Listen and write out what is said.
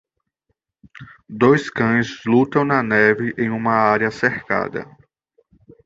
Dois cães lutam na neve em uma área cercada.